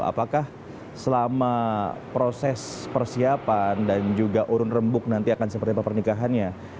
apakah selama proses persiapan dan juga urun rembuk nanti akan seperti apa pernikahannya